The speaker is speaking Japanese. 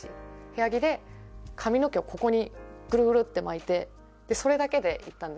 部屋着で髪の毛をここにぐるぐるって巻いてそれだけで行ったんですよ。